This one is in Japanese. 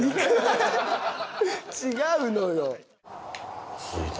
違うのよ。